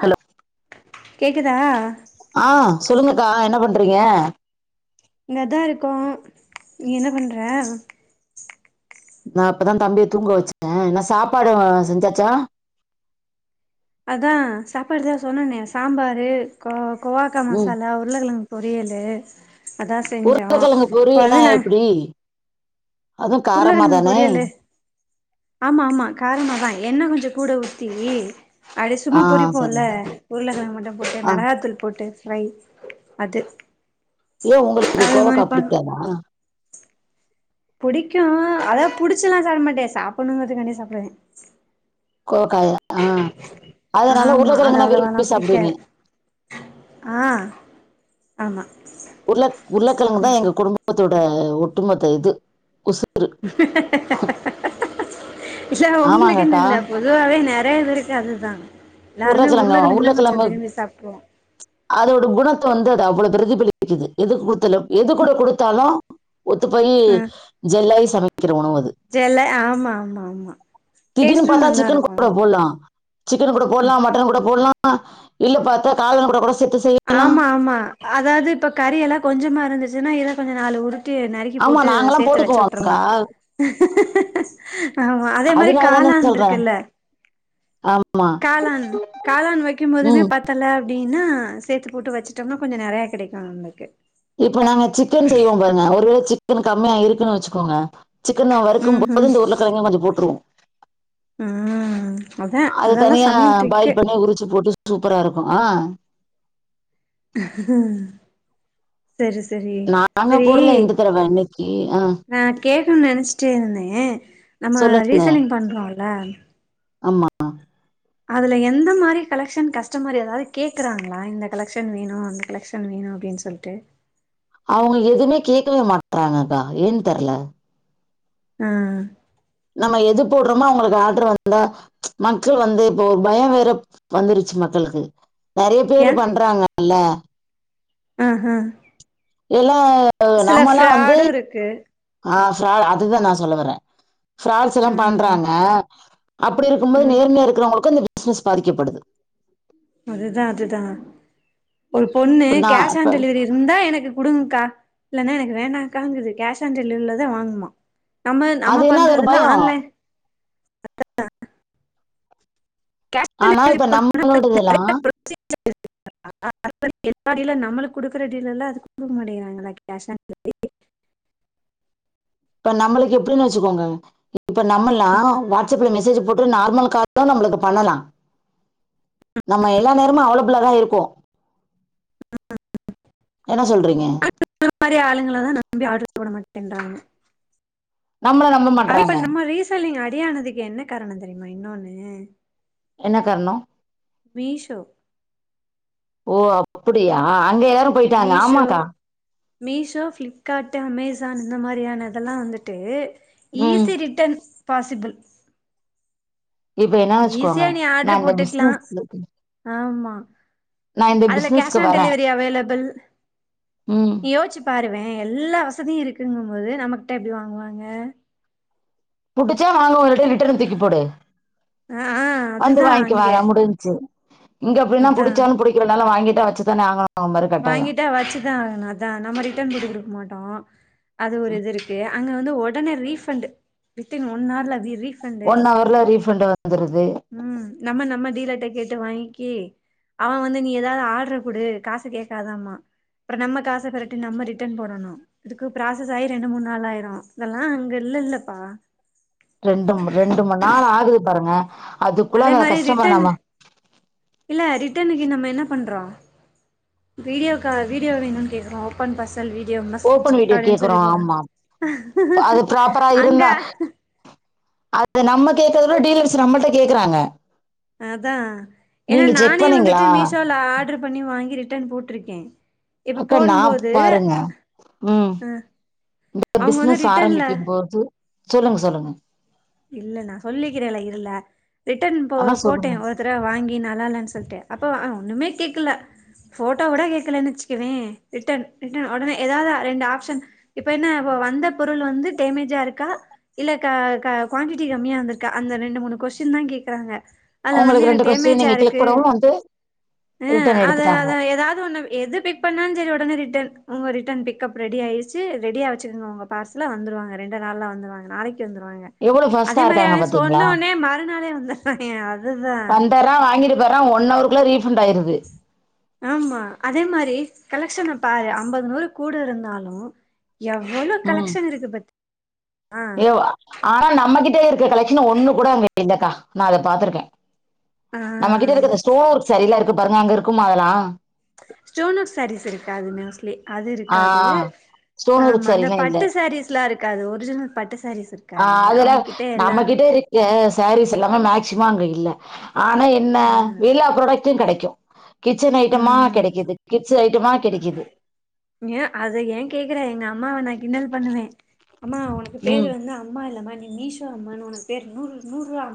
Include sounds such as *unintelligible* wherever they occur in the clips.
Hello கேக்குதா ஆ சொல்லுங்கக்கா என்ன பண்றீங்க இங்கதா இருக்கோ நீ என்ன பண்ற நா இப்பதா தம்பியை தூங்க வச்ச என்ன சாப்பாடு செஞ்சாச்சா அதா சாப்பாடு தா சொன்னேனே சாம்பாரு கோ கொவாக்கா் ம் மசாலா உருளைக்கிழங் பொரியலு அதான் செஞ்சோ உருளக்கெழங்கு இப்ப பொரியல்லா வந்து நா எப்டி அதுவு காரமா உருளைகிழங்கு தானே பொறியலு ஆமா ஆமா காரமாதா எண்ணெ கொஞ்ச கூட ஊத்தி அடி ஆ சும்மா சரி பொறிப்போம்ல சரி உருளைக்கிழங்கு மட்டு போட்டு ஆ மொளகாத்தூள் போட்டு ஃப்ரை அது ஏ உங்களுக்கு அது கோவக்கா மாரி பண் புடிக்காதா புடிக்கு அத புடிச்சுல்ல சாப்ட மாட்டே சாப்பிடணுங்கறதுக்காண்டி சாப்டுவே கோவக்காய ஆ அதனால ஆமா அது உருக்கிழங்குனா அவ்ளவாலா விரும்பி சாப்டுவீங்க புடிக்காது ஆ ஆமா உருள உருளக்கிழங்கு தா எங்க குடும்பத்தோட ஒட்டுமொத்த இது உசு இல்ல உங்களுக்குன்னு ஆமாங்கக்கா இல்ல பொதுவாவே நே நெறைய பேருக்கு அது தா உருளக்கிழங்க உருளக்கிழங்க சாப்ட்ருவோ அதோட குண வந்து அது அவ்ள பிரதிபலிக்குது எது குடுத்தாலு எது கூட குடுத்தாலு ஒத்து போயி ஜெல்லாயி சமை ஜெல்லாயி ஆமா ஆமா ஆமா திடீன் டேஸ்ட்டு பாத்தா நல்லா சிக்கன் இருக்கு கூட போட்லா சிக்கன் கூட போட்லா ம் மட்டன் கூட போட்லா இல்ல பாத்தா *unintelligible* கூட கூட சேர்த்து செய்யலாம் ஆமா ஆமா அதாது இப்ப கறியெல்லா கொஞ்சமா இருந்துச்சுன்னா இத கொஞ்ச நாலு உரு டி நறுக்கி ஆமா போட்டு நாங்கெல்லாம் சேத்து வச்சு உட்டுர்லா போட்டுக்குவோம்க்கா ஆமா அதே மாரி அதனால தானே காளான் சொல்றேன் இருக்குல்ல ஆமா காளான் காளான் வைக்கும் போதுமே ம் பத்தல ன்னா சேத்து போட்டு வச்சுட்டோம்னா கொஞ்ச நறைய கடைக்கு நம்மளுக்கு இப்ப நம்ம சிக்கன் செய்வோ பாருங்க ஒருவேல சிக்கன் கம்மியா இருக்குன்னு வச்சுக்கோங்க சிக்கன ம் ம் வறுக்கும்போது இந்த உருளக்கிழங்கயு கொஞ்ச போட்ருவோ ம் அதா அது அதெல்லா தனியா சமையல் ட்ரிக்கு பாயில் பண்ணி உரிச்சு போட்டு சூப்பரா இருக்கு ஆ செரி செரி நாங்க போடல இந்த தடவ இன்னைக்கு ஆ நான் கேட்கனு நினைச்சுட்டே இருந்தே நம்ம சொல்லுங்க ரீசேலிங் பண்றோல ஆமா அதுல எந்த மாரி கலெக்ஷன் கஷ்டமர் எதாவது கேக்குறாங்களா இந்த கலெக்ஷன் வேணு அந்த கலெக்ஷன் வேணு அப்டின் சொல்ட்டு அவங்க எதுமே கேக்கவே மாட்றாங்கக்கா ஏன்னு தெர்ல ம் ம் நம்ம எது போட்றோமோ அவங்களுக்கு ஆட்ரு வந்தா மக்கள் வந்து இப்ப ஒரு பய வேற வந்துருச்சு மக்களுக்கு நறைய பேரு ஏ பண்றாங்கல்ல ஆ ஆ ஆ சில நம்மல்லா வந்து ஃப்ராடு இருக்கு ஆ ஃப்ரா அதுதா நா சொல்ல வறே ஃப்ராட்ஸுல்லா ம் பண்றாங்க அப்டிருக்கும் போது ம் நேர்மையா இருக்கிறவங்களுக்கூ இந்த பிஸ்னஸ் பாதிக்கப்படுது அதுதா அதுதா ஒரு பொண்ணு இப்ப நான் கேஷ் இப்ப ஆன் டெலிவரி இந்தா எனக்கு உடுங்குக்கா இல்லனா எனக்கு வேணாக்காங்குது கேஷ் ஆன் டெலிவரில தா வாங்குமா நம்மள் நம்ம அது என்ன அது ஒரு பண்றதுல பயம் ஆன்லைன் கேஷ் ஆன் ஆனா இப்ப டெலிவரி நம்மளோடதெல்லா *inaudible* எல்லா டீலர் நம்மளுக்கு குடுக்குற டீலர்லா அது குடுக்க மாட்டிகிறாங்கல்ல கேஷ் ஆன் டெலிவரி இப்ப நம்மளுக்கு எப்டின் வச்சுக்கோங்க இப்ப நம்மல்லா வாட்ஸ்சப்ல மெஸ் சேஜ் போட்டு நார்மல் காலு நம்மளுக்கு பண்ணலா நம்ம எல்லா நேரமு அவ்ள வ்ளதா இருக்கூ *inaudible* சொல்றீங்க *inaudible* மாரி ஆளுங்கள தா நம்பி ஆடர் போட மாட்டேன்றாங்க நம்மள நம்ப ஐப்ப மாட்றாங்க நம்ம ரீசேலிங் அடியானதுக்கு என்ன காரண தெரியுமா இன்னொன்னு ம் என்ன கார்ணோ மீஷோ ஓ அப்பிடியா ஆ மீஷோ மீஷோ ஃப்ளிப்கார்ட்டு அமேசான் இந்த மாரியான அதெல்லா வந்துட்டு ம் ஈஸி ரிட்டன் பாசிபிள் இப்ப என்ன வச்சுக்கோங்க ஈஸியா நீ நா ஆடர் இந்த போட்டுக்கலா பிசினஸ் ஆமா நா இந்த அதுல கேஷ் பிசினஸ்க்கு ஆன் வரே டெலிவரி அவைலபிள் ம் நீ யோச்சு பாருவே எல்லா வசதியு இருக்குங்கும்போது நமக்ட்ட எப்டி வாங்குவாங்க புடிச்சா வாங்குவாங்க அப்டியே ரிட்டன்ன தூக்கி போடு ஆ ஆ வந்து அதுதா வாங்கிக்க அங்க வானா முடிஞ்ச்சி இங்க அப்டினா அதா புடிச்சாலு புடிக்கலனாலு வாங்கிட்டா வச்சு தானே ஆகணு மறு கட்டாயோ வாங்கிட்டா வச்சுதா ஆகணு நம்ம ரிட்டன் குடு குடுக்க மாட்டோ அது ஒரு இது இருக்கு அங்க வந்து ஒடனே ரீஃபண்டு வித் இன் ஒன் ஆர்ல ரிரீ ஃபண்டு ஒன் ஹவர்ல ரீஃபண்ட் வந்துருது நம்ம நம்ம டீலர்ட கேட்டு வாங்கிக்கி அவ வந்து நீ ஏதாவ்து ஆடர் குடு காசு கேக்காதாம்பா அப்ற நம்ம காச பெரட்டி நம்ம ரிட்டன் போடணு இதுக்கு ப்ராசஸ் ஆயி ரெண்டு மூண் நாள் ஆயிரு இதெல்லா அங்கல் இல்லல்லப்பா ரெண்டூ ரெண்டு மண் நாள் ஆகுது பாருங்க அதுக்குள்ள அதே அந்த மாரி கஸ்டமர் ரிட்டன் நம்ம இல்ல ரிட் டனுக்கு நம்ம என்ன பண்றோ வீடியோ கா வீடியோ வேணூன் கேக்குறோ ஓபன் பஸ் தல் வீடியோ மஸ்ட் ஓபன் வீடியோ அப்டின் கேக்குறோ சொல்லி போறோ ஆமா அங்க அதது நம்ம கேக்குறதோட டீலர்ஸ் நம்மட்ட கேக்குறாங்க அதா ஏனா நீங்க செக் நானே பண்ணீங்களா வந்துட்டு மீஷோல ஆடர் பண்ணி வாங்கி ரிட்டன் போட் ட்ருக்கே அக்கா நாப் பாருங்க ம் இந்த அவங்க வந்து பிஸ்னஸ் ரிட்டன்ல ஆரம்பிக்கும் போது சொல்லுங்க சொல்லுங்க இல்ல நா சொல்லிக்கிறேல இருல ரிட்டன் போ அதா போட்டே சொல்லுங்க ஒருத்தர வாங்கி நல்லால்லன் சொல்லிட்டு அப்ப ஆ ஒன்னுமே கேக்கல ஃபோட்டோ கூட கேக்க்கலன் வச்சுக்குவே ரிட்டன் ரிட்டன் ஒடனே எதாவ்து ரெண்டு ஆப்ஷன் இப்ப என்ன வ வந்த பொருள் வந்து டேமேஜா இருக்கா இல்ல க கா குவான்டிடி கம்மியா இந்துருக்கா அந்த ரெண்டு மூணு கொஸ்டின் தா கேக்றாங்க அத்ல வந்து உங்களுக்கு எனக்கு ரெண்டு கொஸ்டின் நீங்க கிளிக் டேமேஜாருக்கு கூடவு வந்து ம் ரிட்டர்ன் அதா எடுத்துட்டாங்க அதா ஏதாது ஒண்ணு எது பிக் பண்ணால் செரி ஒடனே ரிட்டன் உங்க ரிட்டன் பிக் கப் ரெடி ஆயிர்ச்சு ரெடியா வச்சுக்கங்க உங்க பார்சல வந்துருவாங்க ரெண்டு நாள்ல வந்துருவாங்க நாளைக்கு வந்துருவாங்க எவ்வளவு அதே ஃபாஸ்ட்டா மாரி இருக்காங்க அவ பாத்தீங்களா சொன்னோனே மறுநாளே வந்துராய்ங்க அதுதா வற ஒன் அவருக்குள்ள ரீட் ஆமா அதே மாரி கலெக்ஷன் பாரு ஐம்பது நூறு கூடு இருந்தாலு எவ்வளவு கலெக்ஷன் இருக்கு பத்தி ஏ ஆனா நம்மகிட்ட இருக்க கலெக்ஷன் ஒண்ணு கூட அங்க இல்லக்கா நான் அதை பாத்துருக்கே ஆ நம்மகிட்ட இருக்கற ஸ்டோன் ஒர்க் சரியிலாம் இருக்கு பாருங்க அங்க இருக்குமா அதெல்லா ஸ்டோன் ஒர்க் சரிஸ் இருக்காது மோஸ்லி அது ஆ இருக்காது ஸ்டோன் ஒர்க் ஆமா அந்த சாரீலா இல்ல பட்டை சாரீஸ்லாம் இருக்காது ஒரிஜினல் பட்டை சாரீஸ் இருக்கு ஆ அதுல நம்மகிட்ட இருக்க சாரீஸ் எல்லாமே மேக்சிமம் அங்க இல்ல ஆனா ஆ என்ன வழா ப்ராடக்ட்டும் கிடைக்கு கிச்சன் ஐட்டமா ம் கிடைக்குது கிச்ச கமா கிடைக்குது ஏ அத ஏன் கேக்குறன் எங்க அம்மாவை நான் கிண்டல் பண்ணுவே அம்மா உனக்கு பேரு ம் வந்து அம்மா இல்லம்மா நீ மீஷோ அம்மனு உனக்கு பேரு நூறு நூறுபா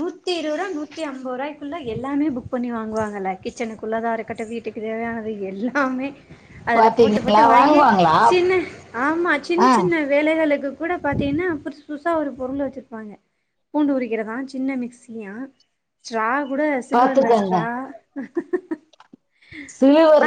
நூத்தி இருபதுரூபா நூத்திஐம்பது ரூபாய்க்குள்ள எல்லாமே புக் பண்ணி வாங்குவாங்கல்ல கிச்சனுக்குள்ளதா இருக்கட்ட வீட்டுக்கு தேவையானது எல்லாமே அதுல போட்டு போட்டு பாத்தீங்களா வாங்கி வாங்குவாங்களா? சின்ன ஆமா சின்ன ஆ சின்ன வேலைகளுக்கு கூட பாத்தீங்கன்னா புது புதுசா ஒரு பொருள் வச்சிருப்பாங்க பூண்டு உரிக்கிறதா சின்ன மிக்சிய கூட சில்வர் பாத்துக்கங்க. லஸ்ட்ரா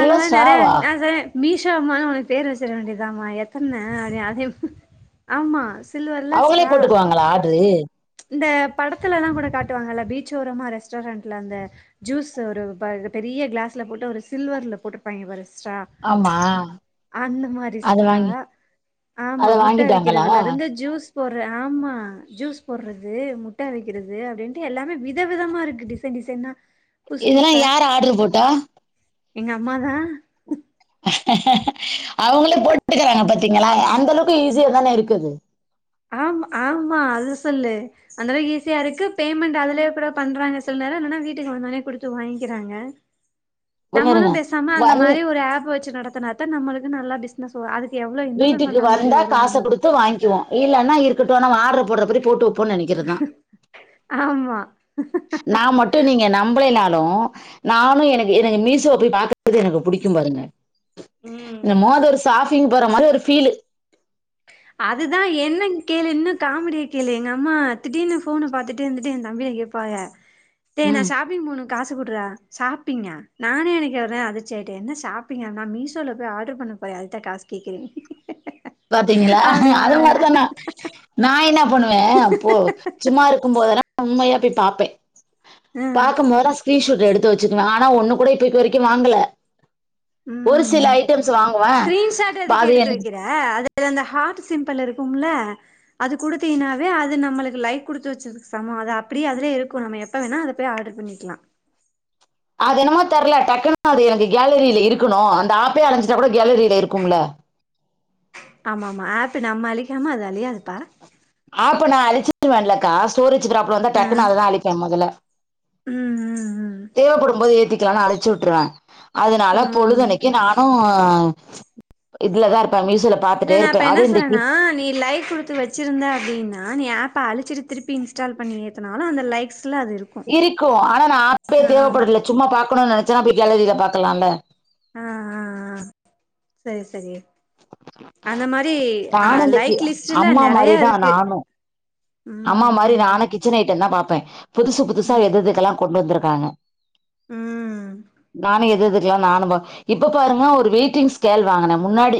அந்த மாதிரி நிறைய ஸ்ட்ராவா? இருக்கு மீஷா அம்மனு உனக்கு பேர் வச்சிட வேண்டியதம்மா எத்தனை அப்ப அதே ஆமா சில்வர்ல அவங்களே ஸ்ட்ரா போட்டுக்குவாங்களா ஆடு இந்த படத்துலல்லாம் கூட காட்டுவாங்கல்ல பீச்சஓரமா ரெஸ்டாரண்டட்ல அந்த ஜூஸ் ஒரு பெரிய பெரிய கிளாஸ்ல போட்டு ஒரு சில்வர்ல போட்டுஇருப்பாங்க பாரு ஸரா ஆமா. அந்த மாதிரி அத ஸ்டரா வாங்கி ஆமா அத முட்டை வாங்கிட்டாங்களா? விக்கிறதுல இருந்து ஜூஸ் போடுற ஆமா ஜூஸ் போடுறது முட்டா வைக்கிறது அப்படின்ட்டு எல்லாமே வித விதமா இருக்கு டிசைன் டிசைனா புதுசு இதெல்லா புதுசா யார் ஆர்டரு போட்டா எங்க அம்மாதா அவங்களே போட்டுக்கறாங்க பாத்தீங்களா அந்த அளவுக்கு ஈஸியா தானே இருக்குது ஆ ஆமா அது சொல்லு அந்த அளவுக்கு ஈஸியா இருக்கு பேமெண்ட் அதுலயே கூட பண்றாங்க சொல்லு வேறது இல்லனா வீட்டுக்கு வந்தானே குடுத்து வாங்கிக்கிறாங்க இருங்க இருங்க. நம்மளும் பேசாம அந்த வந் மாதிரி ஒரு ஆப் வச்சு நடத்தனாத்தான் நம்மளுக்கு நல்லா பிசினஸ் வரும் அதுக்கு எவ்ளோ இன்வெஸ்ட்மெண்ட் வீட்டுக்கு பண்ற மாரி வந்தா வரு காசை நம்ம கொடுத்து வாங்கிவோ இல்லன்னா இருக்கட்டும்னா ஆடுற போடபடி போட்டு வைப்போம்ன்னனு நினைக்கிறதா ஆமா நான் மட்டு நீங்க நம்மளல்ல நானும் எனக்கு எனக்கு மீஷோ போய் பாக்கறது எனக்கு பிடிக்கும் பாருங்க ம் இந்தமோது ஒரு சாபிங் போற மாரி ஒரு பீலு அதுதா என்ன கேளு இன்னு காமெடிய கேளு எங்க அம்மா திடீனு போனை பார்த்துட்டு இருந்துட்டு என் தம்பி *inaudible* டேய் நான் ம் ஷாப்பிங் போணு காசு குடுற சாப்பிங்கா நானே எனக்கு வறன் அதிர்ச்சி ஆயிட்டே என்ன ஷாப்பிங்கனா மீசோல போய் ஆர்டர் பண்ண போறேன் அது காச கேக்குறே பாத்தீங்களா அது மாரிதா நா நா என்ன பண்ணுவே அப்போ சும்மா இருக்கும் போதெல்லா உண்மையா போய் பாப்பே ஆ பாக்கபோதால ஸ்கிரீன்ஷூட் எடுத்து வச்சுக்குவே ஆனா ஒன்னு கூட இப்பக்கு வரைக்கு வாங்கல ஒரு ம் சில ஐட்டம்ஸ் வாங்குவே ஸ்கிரீன்ஷாட் எதுக்கு அது எடுத்து எனக்கு வைக்கிற அதுல அந்த ஹார்ட் சிம்பிள் இருக்கும்ல அது குடுத்தீங்கனாவே அது நம்மளுக்கு லைக் கொடுத்து வச்சதுக்கு சமம் அத அப்ப அப்படி அததுலே இருக்கு நம்ம எப்ப வேண அதை போய் ஆர்டர் பண்ணிக்கலா *inaudible* அது என்னமோ தெரியல டக்குன்னு அது எனக்கு கேலரியில இருக்கணு அந்த ஆப்பே அழைஞ்சிட்டா கூட கேலரியில இருக்கும்ல ஆமா ஆமா ஆப்ப நம்ம அழிக்காம அது அழியாது அப்ப நான் அழிச்சிட்டுவேன்லக்கா ஸ்டோரேஜ் ப்ராப்ளம் அப்புற வந்தா ஆ டக்கு நா அதைதா அழிப்பே முதல ம் ம் தேவப்படும்போது ஏத்திக்கலானு அழிச்சுட்ருவே அதுனால ம் பொழுதன்னைக்கு நானு ஆ இதுலதா இருப்பே மில்ஸ் இல்ல நா இப்ப என்ன சொன்னனா நீ லைக் குடுத்து வெச்சிருந்த அப்டின் னா நீ ஏப்ப அழிச்சிட்டு திருப்பி இன்ஸ்டால் பண்ணி ஏத்துனாலு அந்த லைக்ஸ் இருக்கு ஆனா நா ஆப்பே ஆ தேவப்படல சும்மா பாக்கணுன் நெனச்சேன்னா போய் கேலரில பாக்கலால்ல ஆ ஆ ஆ செரி செரி அந்த மாரி அ நானும் இந்த லைக் கி- லிஸ்ட்டுல அம்மா மாதிரி நெறையா தான் இருக்கு நானும் அம்மா ம் மாரி நானு ம் கிச்சன் ஐட்டந்தா பாப் பே புதுசு புதுசா ம் எதெதுக்கெல்லா கொண்டு வந்திருக்காங்க ம் நானு எதெதுக் கெல்லா நானு போ இப்ப பாருங்க ஒரு வெயிட்டிங் ஸ்கேல் வாங்கனே முன்னாடி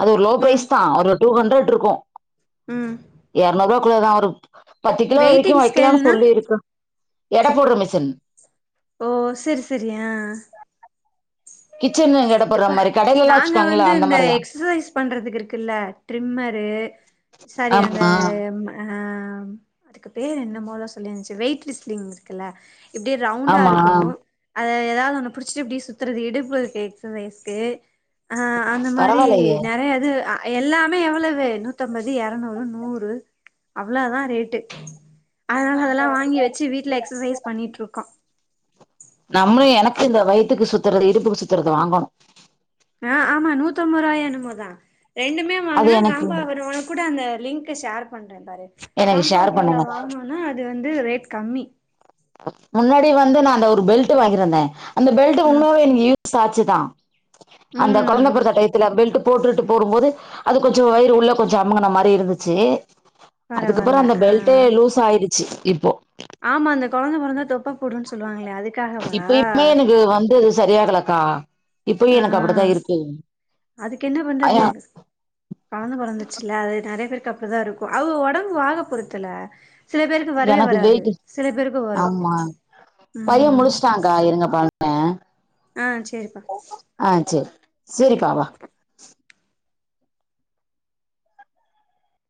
அது ஒரு லோ ம் ம் ப்ரைஸ் தா ஒரு டூ ஹண்ட்ரட்ட்ருக்கு ம் குள்ள தா ஒரு பத்து கிலோ வரைக்கு வெயிட்டிங் வெக்கலானு ஸ்கேல்னா சொல்லிருக்கு எட போட்ற மிசின் ஓ செரி செரி ஆ கிச்சன் எடை போடுற இப்பா மாதிரி கடையில எல்லாம் நாங்க வச்சுக்காங்களா வந்து அந்த இந்த மாதிரிதான் எக்ஸசைஸ் பண்றதுக்கு இருக்குல்ல ட்ரிம்மரு சாரி அந்த ஆமா ம் அ அம் அதுக்கு பேர் என்னமோதா சொல்லிர்ந்ச்சு வெயிட்லிஸ்ட் லிங் இருக்குல்ல இப்டி ரவுண்டா ஆமா இருக்கு அத எதாவ்து ஒன்ன பிடிச்சிட்டு இப்டி சுத்தறது இடுப்பு எக்ஸ் *unintelligible* ரைஸ்க்கு ஆ அந்த மாரி பரவாயில்லையே ஞானு அது அ எல்லாமே எவ்ளவு நூத்தம்பது, எரநூறு, நூறு அவ்ளோ தா ரேட்டு அதனால அதெல்லா வாங்கி வச்சு வீட்ல எக்ஸசைஸ் பண்ணிட்ருக்கோ நம்முளு எனக்கு இந்த வயித்துக்கு சுத்தறது இடுப்புக்கு சுத்தறது வாங்கனு ஆ ஆமா நூத்தம்பர்ருவாய் என்னமோ தா ரெண்டுமே அது வாங்குனே எனக்கு காம்பா ஆஃபர் ஒனக்கூட அந்த லிங்க்க ஷேர் பண்ற பாரு எனக்கு காம்பா ஷேர் ஆஃபர்ல பண்ணுங்க வாங்னோன்னா அது வந்து ரேட் கம்மி முன்னாடி வந்து நா அந்த ஒரு பெல்ட்டு வாங்கிருந்தே அந்த பெல்ட்டு ம் ரொம்பவே எனக்கு யூ ஸ் ஆச்சு தா அந்த ம் கொழந்த பொறந்த டைத்துல பெல்ட்டு போட்டுட்டு போரும்போது அது கொஞ்சோ வயிறு உள்ள கொஞ்சோ அமுங்கன மாரி இருந்துச்சு அதுக்கப்றோ பரவால்ல அந்த ஆ பெல்ட்டே லூஸ் ஆயிடிச்சி இப்போ ஆமா அந்த கொழந்த பொறந்தா தொப்ப போடுன்னு சொல்லுவாங்களே அதுக்காகவா இப்பயுமே எனக்கு வந்தது சரியாகலக்கா இப்பயு எனக் அப்பிடி தா இருக்கு அதுக்கென்ன பண்றது? அயா கொழந்த பொறந்துர்ச்சில்ல அது நெறைய பேருக் கு அப்டிதா இருக்கு அவுக ஒடம்பு வாக பொறுத்துல்ல சில பேருக்கு வரவே எனக்கு வராது வெயிட்டு சில பேருக்கு வரு ஆமா ம் ஆ ஆ சேரிப்பா ஆ செரி சேரிப்பாவா